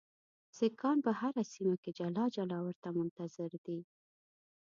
سیکهان په هره سیمه کې جلا جلا ورته منتظر دي.